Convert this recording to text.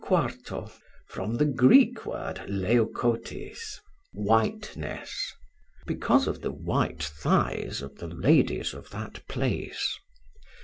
quarto, from the Greek word leukotes, whiteness, because of the white thighs of the ladies of that place.